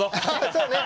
そうね。